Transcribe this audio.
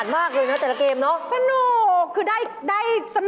ไม่มา